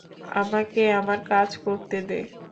আমাকে আমার কাজ করতে দে।